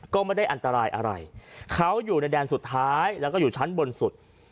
ก็ไม่ได้อันตรายอะไรเขาอยู่ในแดนสุดท้ายแล้วก็อยู่ชั้นบนสุด